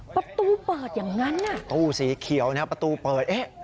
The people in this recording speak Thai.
ประตูเปิดอย่างนั้นน่ะตู้สีเขียวเนี่ยประตูเปิดเอ๊ะ